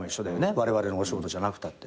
われわれのお仕事じゃなくたって。